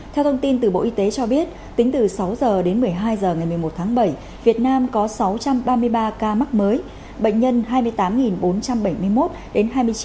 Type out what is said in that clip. theo thông tin từ bộ y tế cho biết tính từ sáu h đến một mươi hai h ngày một mươi một tháng bảy việt nam có sáu trăm ba mươi ba ca mắc mới bệnh nhân hai mươi tám bốn trăm bảy mươi một đến hai mươi chín